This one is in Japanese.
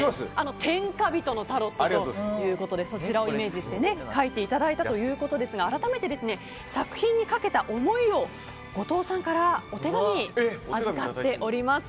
天下人のタロットということでそちらをイメージして描いていただいたということですが改めて、作品にかけた思いを後藤さんからお手紙、預かっております。